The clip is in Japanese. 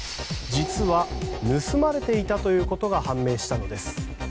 実は盗まれていたということが判明したのです。